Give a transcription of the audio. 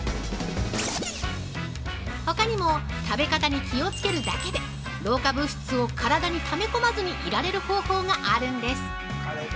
ほかにも、食べ方に気をつけるだけで老化物質を体にため込まずにいられる方法があるんです。